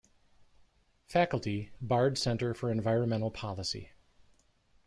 Faculty, Bard Center for Environmental Policy.